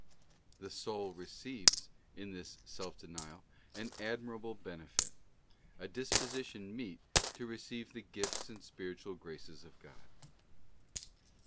t The soul receives in this self denial an admirable benefit; a disposition meet to receive the gifts and spiritual graces of God.